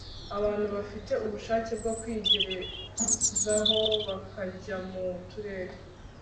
abantu bafite ubushake bwo kwigerezaho bakajya mu turere